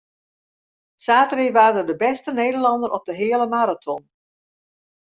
Saterdei waard er de bêste Nederlanner op de heale maraton.